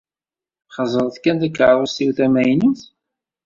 Xezzṛet kan takeṛṛust-iw tamaynut.